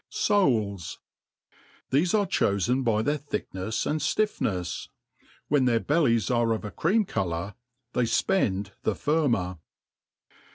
Soals* THESES are chofen by their thicknefs and ftiiFnefs ; when their bellies are of a cream colour, they fpend the firmer.